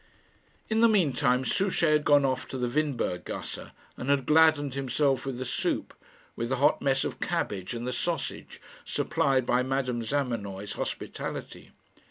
In the mean time Souchey had gone off to the Windberg gasse, and had gladdened himself with the soup, with the hot mess of cabbage and the sausage, supplied by Madame Zamenoy's hospitality.